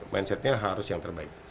mindsetnya harus yang terbaik